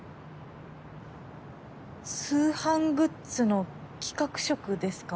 通販グッズの企画職ですか？